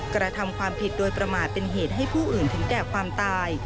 กระทำความผิดโดยประมาทเป็นเหตุให้ผู้อื่นถึงแก่ความตาย